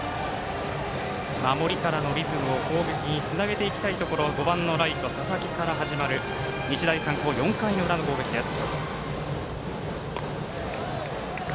守りからのリズムを攻撃につなげていきたいところ５番のライト佐々木から始まる日大三高４回の裏の攻撃です。